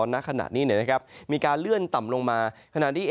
ในขณะนี้เนี่ยนะครับ